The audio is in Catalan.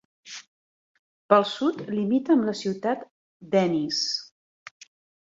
Pel sud limita amb la ciutat d'Ennis.